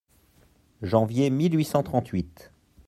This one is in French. Janvier mille huit cent trente-huit.